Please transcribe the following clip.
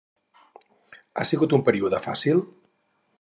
Ha sigut un període fàcil?